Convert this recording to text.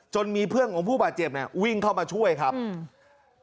มีเพื่อนของผู้บาดเจ็บเนี้ยวิ่งเข้ามาช่วยครับอืม